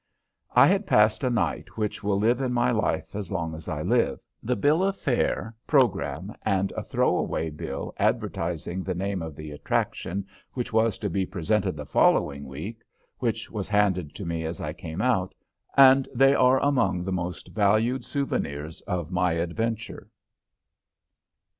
I had passed a night which will live in my life as long as I live. The bill of fare, program, and a "throw away" bill advertising the name of the attraction which was to be presented the following week, which was handed to me as I came out, I still have and they are among the most valued souvenirs of my adventure.